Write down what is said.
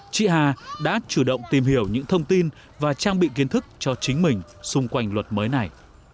chị hà đã chủ động tìm hiểu những thông tin và trang bị kiến thức cho chính mình xung quanh luật mới này